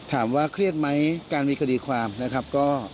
ถามว่าเครียดไหมการมีคดีความนะครับ